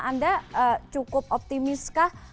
anda cukup optimis kah